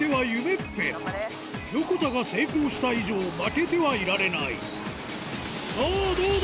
っぺ横田が成功した以上負けてはいられないさぁどうだ？